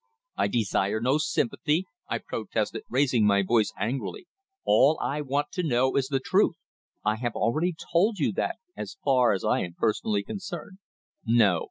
"I desire no sympathy!" I protested, raising my voice angrily. "All I want to know is the truth." "I have already told you that, as far as I am personally concerned." "No.